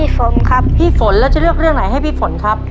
ฝนครับพี่ฝนแล้วจะเลือกเรื่องไหนให้พี่ฝนครับ